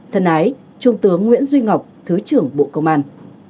thân ái trung tướng nguyễn duy ngọc thứ trưởng bộ công an